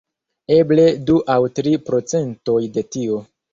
Eble du aŭ tri procentoj de tio.